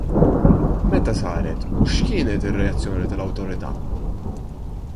Meta saret u x'kienet ir-reazzjoni tal-Awtorità?